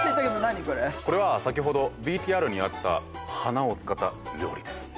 これは先ほどＶＴＲにあった花を使った料理です。